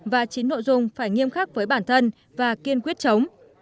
và chín nội dung phải nghiêm khắc với bản thân và kiên quyết chống